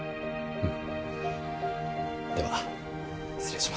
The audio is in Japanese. うん？